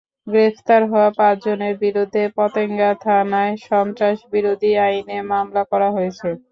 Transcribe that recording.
গ্রেপ্তার হওয়া পাঁচজনের বিরুদ্ধে পতেঙ্গা থানায় সন্ত্রাসবিরোধী আইনে মামলা করা হয়েছে।